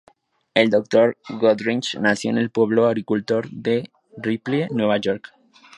El Dr. Goodrich nació en el pueblo agricultor de Ripley, Nueva York.